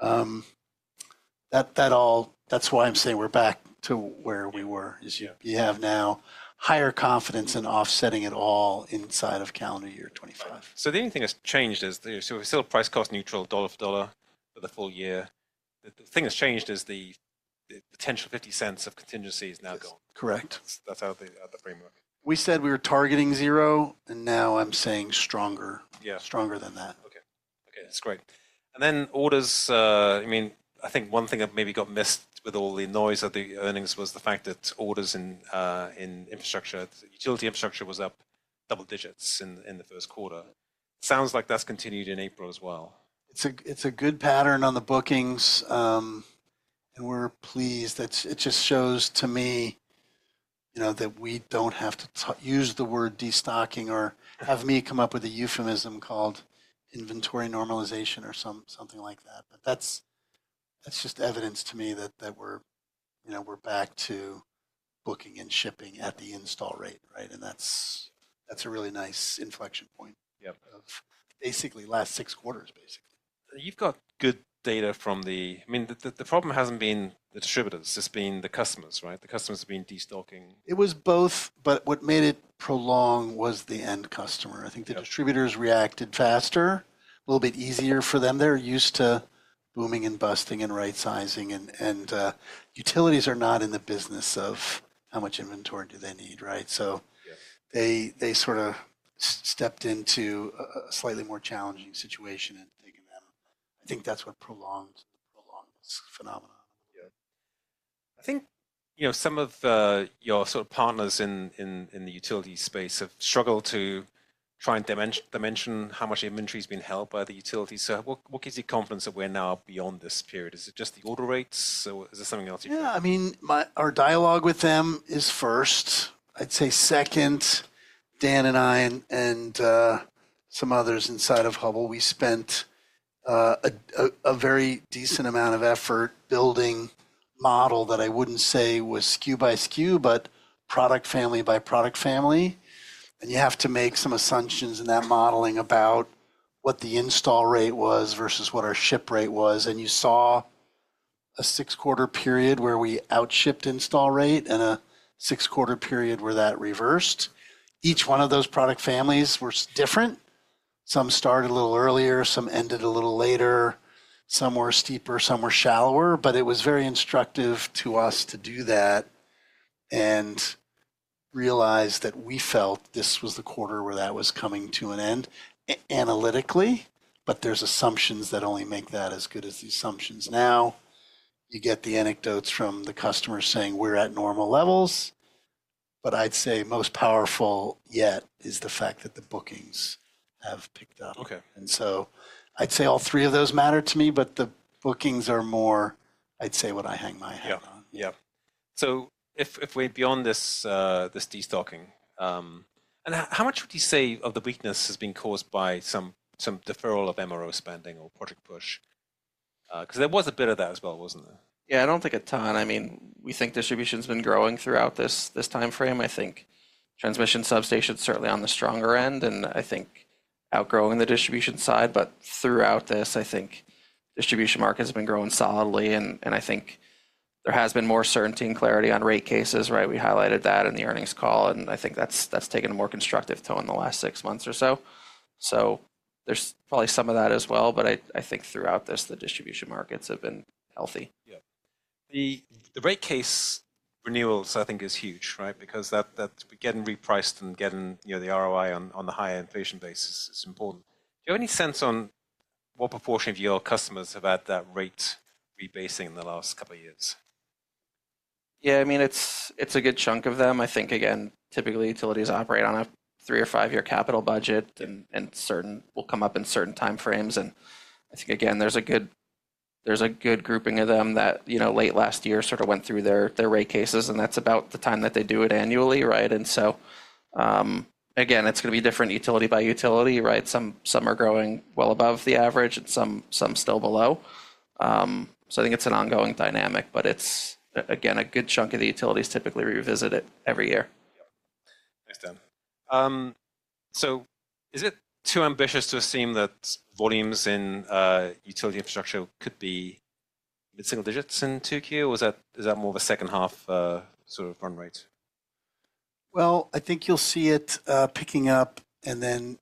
That all, that's why I'm saying we're back to where we were, is you have now higher confidence in offsetting it all inside of calendar year 2025. The only thing that's changed is, you know, we're still price cost neutral, dollar for dollar, for the full year. The thing that's changed is the potential $0.50 of contingency is now gone. Correct. That's out of the framework. We said we were targeting zero, and now I'm saying stronger. Yeah. Stronger than that. Okay. Okay. That's great. I mean, I think one thing that maybe got missed with all the noise of the earnings was the fact that orders in, in infrastructure, utility infrastructure was up double digits in, in the first quarter. Sounds like that's continued in April as well. It's a good pattern on the bookings, and we're pleased. That just shows to me, you know, that we don't have to use the word destocking or have me come up with a euphemism called inventory normalization or something like that. That's just evidence to me that we're, you know, we're back to booking and shipping at the install rate, right? That's a really nice inflection point. Yep. Of basically the last six quarters, basically. You've got good data from the, I mean, the problem hasn't been the distributors, it's been the customers, right? The customers have been destocking. It was both, but what made it prolong was the end customer. I think the distributors reacted faster, a little bit easier for them. They're used to booming and busting and right sizing, and utilities are not in the business of how much inventory do they need, right? So. Yeah. They sorta stepped into a slightly more challenging situation and taken them, I think that's what prolonged this phenomenon. Yeah. I think, you know, some of your sort of partners in the utility space have struggled to try and dimension how much inventory's been held by the utilities. So what gives you confidence that we're now beyond this period? Is it just the order rates or is there something else you? Yeah. I mean, my, our dialogue with them is first. I'd say second, Dan and I and, and some others inside of Hubbell, we spent a very decent amount of effort building a model that I wouldn't say was SKU by SKU, but product family by product family. And you have to make some assumptions in that modeling about what the install rate was versus what our ship rate was. And you saw a six quarter period where we outshipped install rate and a six quarter period where that reversed. Each one of those product families was different. Some started a little earlier, some ended a little later, some were steeper, some were shallower, but it was very instructive to us to do that and realize that we felt this was the quarter where that was coming to an end analytically, but there are assumptions that only make that as good as the assumptions. Now you get the anecdotes from the customers saying, "We're at normal levels," but I'd say most powerful yet is the fact that the bookings have picked up. Okay. I'd say all three of those matter to me, but the bookings are more, I'd say, what I hang my hat on. Yeah. Yeah. If we're beyond this destocking, how much would you say of the weakness has been caused by some deferral of MRO spending or project push? 'Cause there was a bit of that as well, wasn't there? Yeah. I do not think a ton. I mean, we think distribution's been growing throughout this timeframe. I think transmission substations certainly on the stronger end, and I think outgrowing the distribution side. Throughout this, I think distribution markets have been growing solidly. I think there has been more certainty and clarity on rate cases, right? We highlighted that in the earnings call, and I think that has taken a more constructive tone in the last six months or so. There is probably some of that as well, but I think throughout this, the distribution markets have been healthy. Yeah. The rate case renewals, I think, is huge, right? Because that, that we're getting repriced and getting, you know, the ROI on the higher inflation basis is important. Do you have any sense on what proportion of your customers have had that rate rebasing in the last couple of years? Yeah. I mean, it's a good chunk of them. I think, again, typically utilities operate on a three or five year capital budget and certain will come up in certain timeframes. I think, again, there's a good grouping of them that, you know, late last year sorta went through their rate cases, and that's about the time that they do it annually, right? Again, it's gonna be different utility by utility, right? Some are growing well above the average and some still below. I think it's an ongoing dynamic, but it's, again, a good chunk of the utilities typically revisit it every year. Yeah. Thanks, Dan. So is it too ambitious to assume that volumes in utility infrastructure could be single digits in 2Q, or is that more the second half, sort of run rate? I think you'll see it picking up and then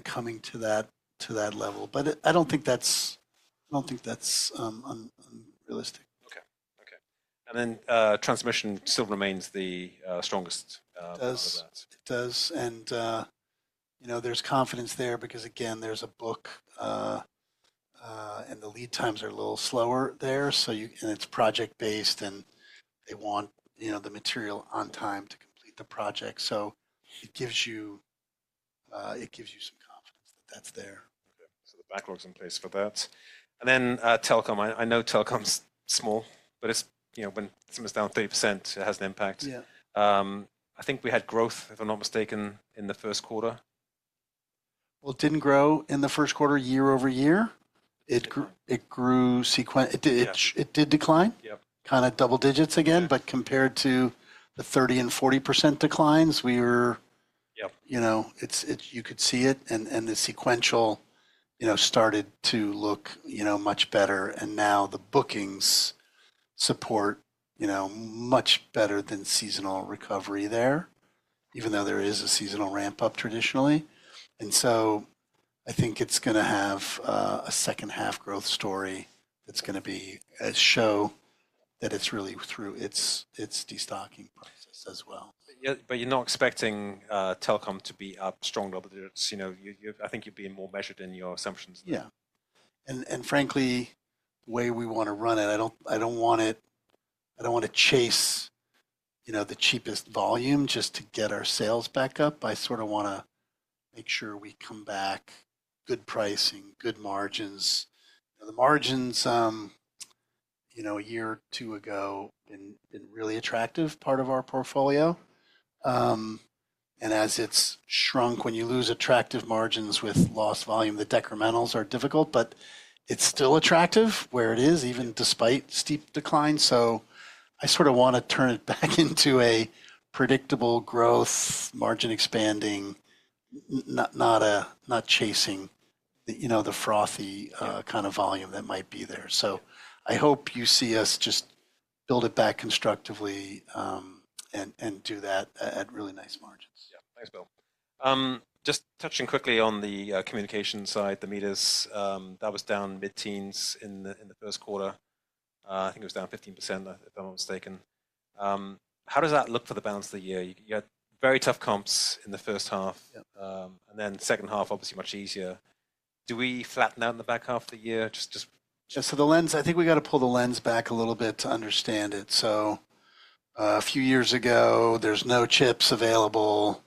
coming to that level. I don't think that's unrealistic. Okay. Okay. Transmission still remains the strongest part of that? It does. You know, there's confidence there because, again, there's a book, and the lead times are a little slower there. You know, it's project-based, and they want the material on time to complete the project. It gives you some confidence that that's there. Okay. So the backlog's in place for that. And then, telecom, I know telecom's small, but it's, you know, when something's down 30%, it has an impact. Yeah. I think we had growth, if I'm not mistaken, in the first quarter. It did not grow in the first quarter year over year. It grew, it grew sequentially. Yeah. It did, it did decline. Yep. Kinda double digits again, but compared to the 30% and 40% declines, we were. Yep. You know, it's, it's, you could see it, and the sequential, you know, started to look, you know, much better. Now the bookings support, you know, much better than seasonal recovery there, even though there is a seasonal ramp up traditionally. I think it's gonna have a second half growth story that's gonna be, show that it's really through its destocking process as well. Yet, you're not expecting telecom to be up stronger, but it's, you know, you, I think you've been more measured in your assumptions. Yeah. And frankly, the way we wanna run it, I don't, I don't want it, I don't wanna chase, you know, the cheapest volume just to get our sales back up. I sorta wanna make sure we come back, good pricing, good margins. The margins, you know, a year or two ago, been really attractive part of our portfolio. And as it's shrunk, when you lose attractive margins with lost volume, the decrementals are difficult, but it's still attractive where it is, even despite steep decline. I sorta wanna turn it back into a predictable growth, margin expanding, not, not chasing the, you know, the frothy, kind of volume that might be there. I hope you see us just build it back constructively, and do that at really nice margins. Yeah. Thanks, Bill. Just touching quickly on the communication side, the meters, that was down mid-teens in the first quarter. I think it was down 15% if I'm not mistaken. How does that look for the balance of the year? You had very tough comps in the first half. Yep. And then second half, obviously much easier. Do we flatten out in the back half of the year? Just, just. Yeah. The lens, I think we gotta pull the lens back a little bit to understand it. A few years ago, there's no chips available,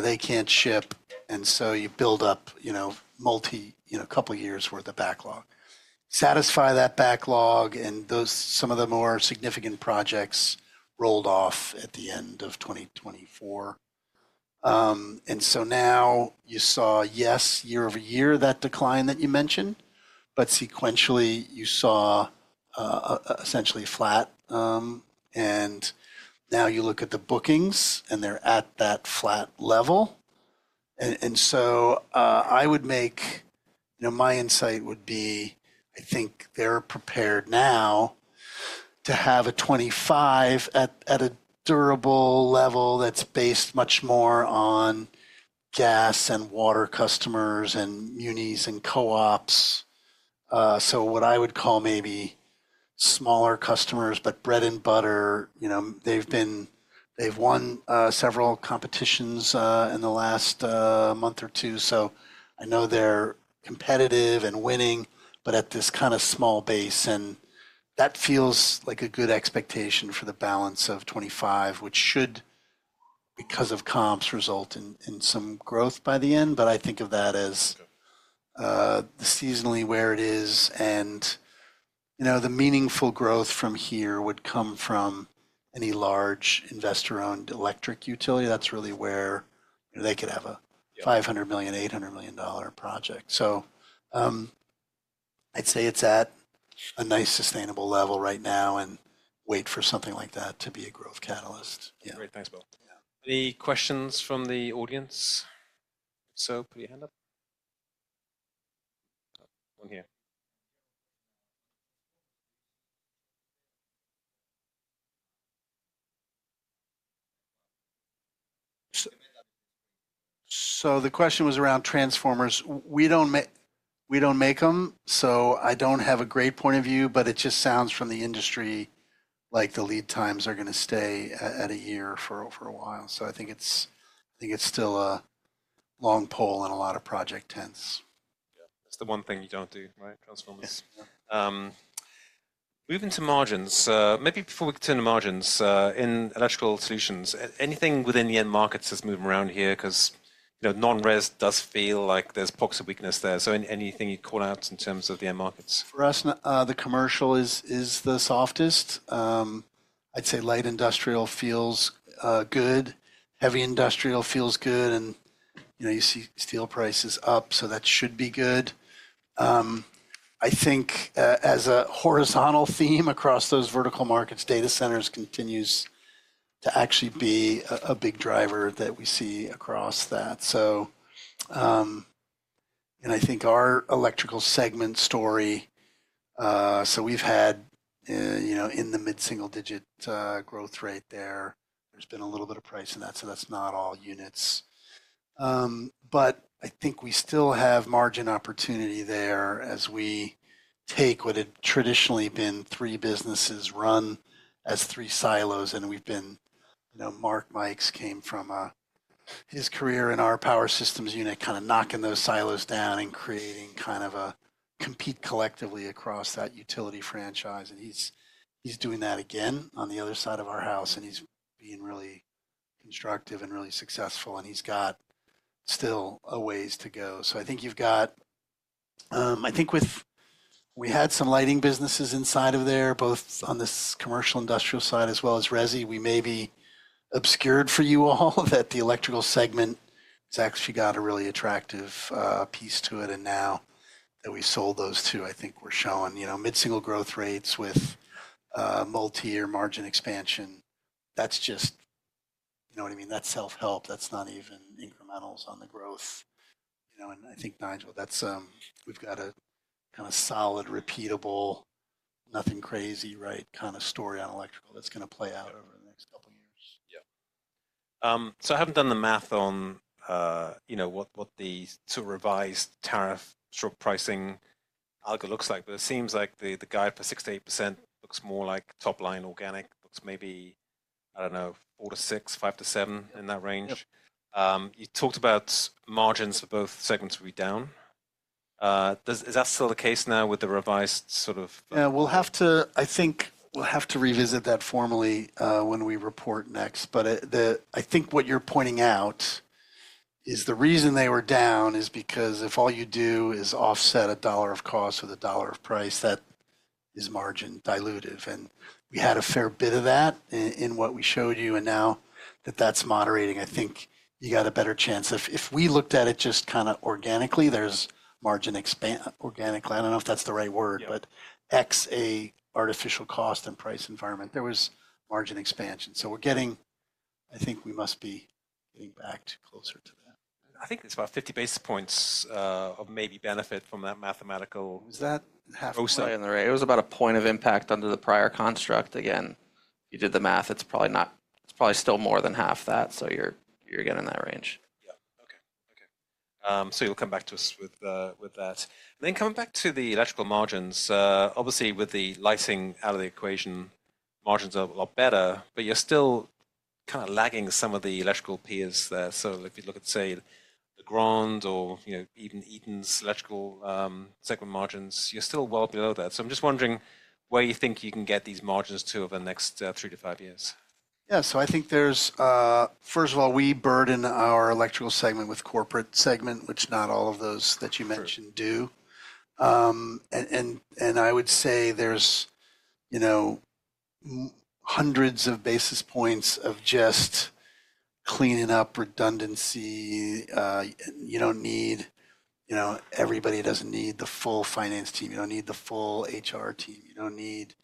they can't ship, and so you build up, you know, multi, you know, couple of years' worth of backlog, satisfy that backlog, and those, some of the more significant projects rolled off at the end of 2024. Now you saw, yes, year over year that decline that you mentioned, but sequentially you saw essentially flat. Now you look at the bookings and they're at that flat level. I would make, you know, my insight would be, I think they're prepared now to have a 2025 at a durable level that's based much more on gas and water customers and munis and co-ops. What I would call maybe smaller customers, but bread and butter, you know, they've been, they've won several competitions in the last month or two. I know they're competitive and winning, but at this kind of small base, and that feels like a good expectation for the balance of 2025, which should, because of comps, result in some growth by the end. I think of that as the seasonally where it is and, you know, the meaningful growth from here would come from any large investor-owned electric utility. That's really where, you know, they could have a $500 million-$800 million project. I'd say it's at a nice sustainable level right now and wait for something like that to be a growth catalyst. Yeah. Great. Thanks, Bill. Yeah. Any questions from the audience? If so, put your hand up. One here. The question was around transformers. We don't make 'em, so I don't have a great point of view, but it just sounds from the industry like the lead times are gonna stay at a year for a while. I think it's still a long pole in a lot of project tents. Yeah. That's the one thing you don't do, right? Transformers. Yes. Moving to margins, maybe before we turn to margins, in electrical solutions, anything within the end markets that's moving around here? 'Cause, you know, non-res does feel like there's pox of weakness there. So anything you call out in terms of the end markets? For us, the commercial is the softest. I'd say light industrial feels good. Heavy industrial feels good. You know, you see steel prices up, so that should be good. I think, as a horizontal theme across those vertical markets, data centers continues to actually be a big driver that we see across that. I think our electrical segment story, so we've had, you know, in the mid-single digit growth rate there, there's been a little bit of price in that, so that's not all units. I think we still have margin opportunity there as we take what had traditionally been three businesses run as three silos, and we've been, you know, Mark Mikes came from his career in our power systems unit, kinda knocking those silos down and creating kind of a compete collectively across that utility franchise. He's doing that again on the other side of our house, and he's being really constructive and really successful, and he's got still a ways to go. I think with, we had some lighting businesses inside of there, both on this commercial industrial side as well as resi. We may be obscured for you all that the electrical segment has actually got a really attractive piece to it. Now that we've sold those two, I think we're showing, you know, mid-single growth rates with multi-year margin expansion. That's just, you know what I mean? That's self-help. That's not even incrementals on the growth, you know? I think, Nigel, that's, we've got a kinda solid, repeatable, nothing crazy, right, kinda story on electrical that's gonna play out over the next couple of years. Yeah. So I haven't done the math on, you know, what the sort of revised tariff stroke pricing algo looks like, but it seems like the guide for 6%-8% looks more like top line organic looks maybe, I don't know, 4%-6%, 5%-7% in that range. Yep. You talked about margins for both segments will be down. Does, is that still the case now with the revised sort of? Yeah. We'll have to, I think we'll have to revisit that formally when we report next. The, I think what you're pointing out is the reason they were down is because if all you do is offset a dollar of cost with a dollar of price, that is margin dilutive. We had a fair bit of that in what we showed you. Now that that's moderating, I think you got a better chance. If we looked at it just kinda organically, there's margin expan—organically. I don't know if that's the right word, but XA artificial cost and price environment, there was margin expansion. We're getting, I think we must be getting back closer to that. I think it's about 50 basis points, of maybe benefit from that mathematical. Was that $500,000? It was about a point of impact under the prior construct. Again, you did the math. It's probably not, it's probably still more than half that. You're getting that range. Yeah. Okay. Okay. So you'll come back to us with that. And then coming back to the electrical margins, obviously with the lighting out of the equation, margins are a lot better, but you're still kinda lagging some of the electrical peers there. So if you look at, say, the Grand or, you know, even Eaton's electrical segment margins, you're still well below that. So I'm just wondering where you think you can get these margins to over the next three to five years. Yeah. I think there's, first of all, we burden our electrical segment with corporate segment, which not all of those that you mentioned do. I would say there's, you know, hundreds of basis points of just cleaning up redundancy. You don't need, you know, everybody doesn't need the full finance team. You don't need the full HR team. You don't need,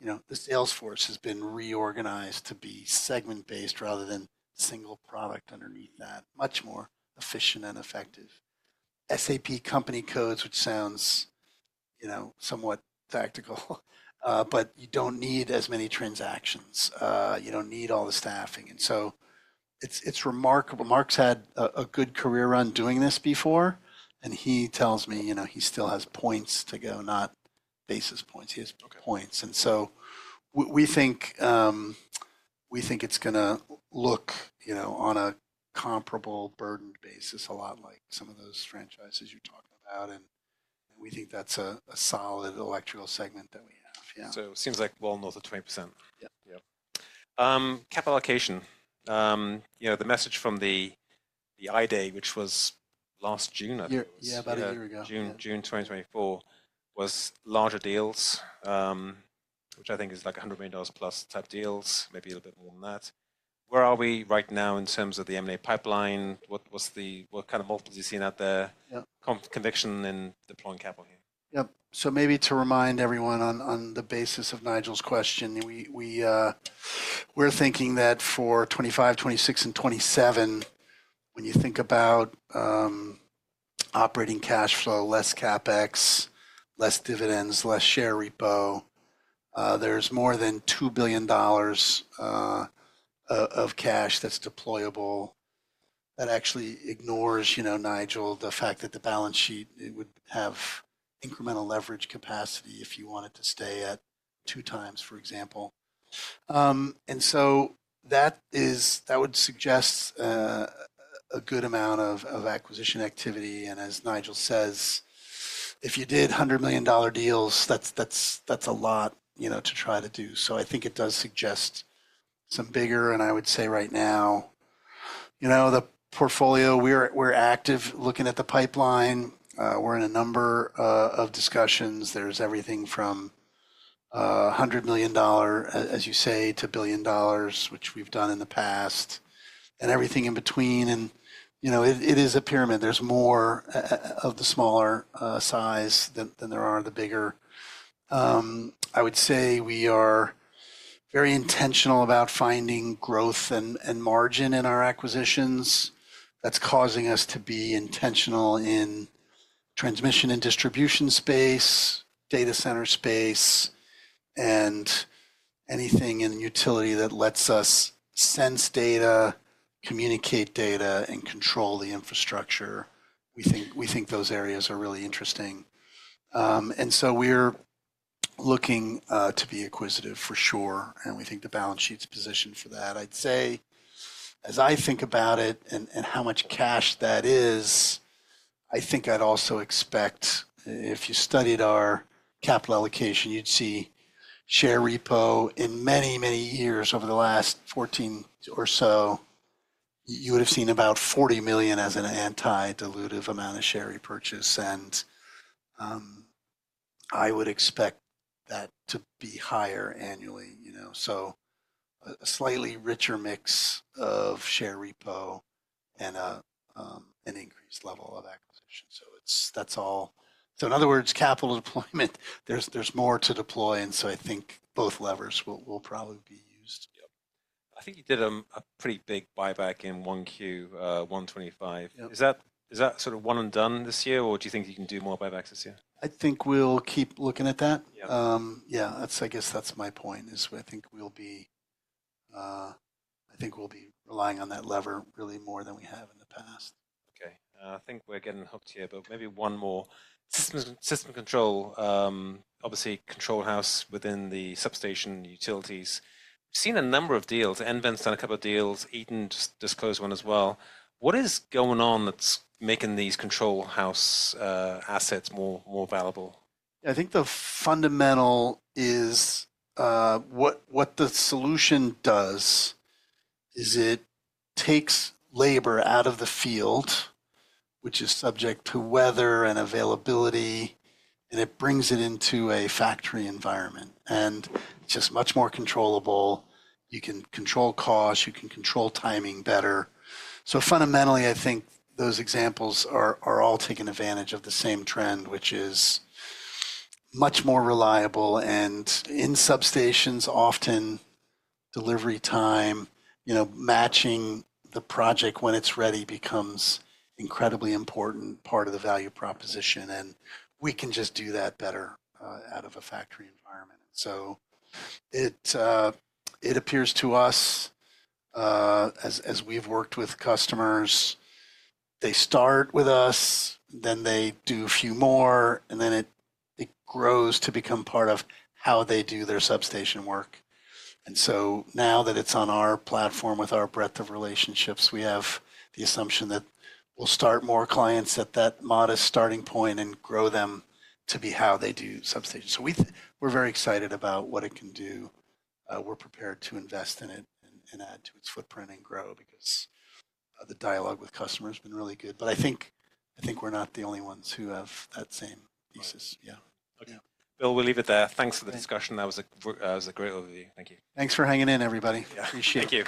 you know, the Salesforce has been reorganized to be segment-based rather than single product underneath that, much more efficient and effective. SAP company codes, which sounds, you know, somewhat tactical, but you don't need as many transactions. You don't need all the staffing. It's remarkable. Mark's had a good career run doing this before, and he tells me, you know, he still has points to go, not basis points. He has points. We think it's gonna look, you know, on a comparable burdened basis a lot like some of those franchises you're talking about. We think that's a solid electrical segment that we have. Yeah. It seems like well north of 20%. Yeah. Yep. Cap allocation. You know, the message from the, the IDE, which was last June, I think it was. Yeah. Yeah. About a year ago. June, June 2024 was larger deals, which I think is like $100 million plus type deals, maybe a little bit more than that. Where are we right now in terms of the M&A pipeline? What was the, what kind of multiples you've seen out there? Yeah. Conviction in deploying capital here? Yep. Maybe to remind everyone on the basis of Nigel's question, we're thinking that for 2025, 2026, and 2027, when you think about operating cash flow, less CapEx, less dividends, less share repo, there's more than $2 billion of cash that's deployable. That actually ignores, you know, Nigel, the fact that the balance sheet would have incremental leverage capacity if you wanted to stay at two times, for example. That would suggest a good amount of acquisition activity. As Nigel says, if you did $100 million deals, that's a lot to try to do. I think it does suggest some bigger. I would say right now, the portfolio, we're active looking at the pipeline. We're in a number of discussions. There's everything from a $100 million, as you say, to $1 billion, which we've done in the past and everything in between. You know, it is a pyramid. There's more of the smaller size than there are the bigger. I would say we are very intentional about finding growth and margin in our acquisitions. That's causing us to be intentional in transmission and distribution space, data center space, and anything in utility that lets us sense data, communicate data, and control the infrastructure. We think those areas are really interesting. We are looking to be acquisitive for sure. We think the balance sheet's positioned for that. I'd say, as I think about it and how much cash that is, I think I'd also expect, if you studied our capital allocation, you'd see share repo in many, many years over the last 14 or so, you would've seen about $40 million as an anti-dilutive amount of share repurchase. I would expect that to be higher annually, you know? A slightly richer mix of share repo and an increased level of acquisition. That's all. In other words, capital deployment, there's more to deploy. I think both levers will probably be used. Yep. I think you did a pretty big buyback in 1Q, $125 million. Yep. Is that sort of one and done this year, or do you think you can do more buybacks this year? I think we'll keep looking at that. Yeah. Yeah. That's, I guess that's my point is I think we'll be, I think we'll be relying on that lever really more than we have in the past. Okay. I think we're getting hooked here, but maybe one more. Systems, system control, obviously control house within the substation utilities. We've seen a number of deals. NV5's done a couple of deals. Eaton just disclosed one as well. What is going on that's making these control house assets more, more valuable? I think the fundamental is, what the solution does is it takes labor out of the field, which is subject to weather and availability, and it brings it into a factory environment. It is just much more controllable. You can control costs. You can control timing better. Fundamentally, I think those examples are all taking advantage of the same trend, which is much more reliable. In substations, often delivery time, you know, matching the project when it is ready becomes an incredibly important part of the value proposition. We can just do that better, out of a factory environment. It appears to us, as we have worked with customers, they start with us, then they do a few more, and then it grows to become part of how they do their substation work. Now that it's on our platform with our breadth of relationships, we have the assumption that we'll start more clients at that modest starting point and grow them to be how they do substation. We are very excited about what it can do. We are prepared to invest in it and add to its footprint and grow because the dialogue with customers has been really good. I think we are not the only ones who have that same thesis. Okay. Bill, we'll leave it there. Thanks for the discussion. That was a, that was a great overview. Thank you. Thanks for hanging in, everybody. Yeah. Appreciate it. Thank you.